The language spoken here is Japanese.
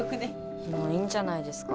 もういいんじゃないですか？